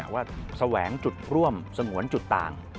ว่าแสวงจุดร่วมสงวนจุดต่าง